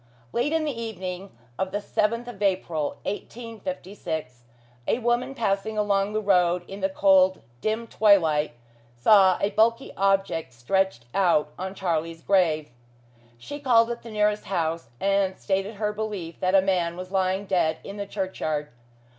Late in the evening of the seventh of April, 1856, a woman passing along the road in the cold, dim twilight, saw a bulky object stretched out on Charlie's grave. She called at the nearest house, and stated her belief that a man was lying dead in the churchyard.